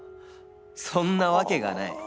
そんなわけがない